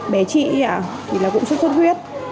bé chị thì là cũng sốt chút huyết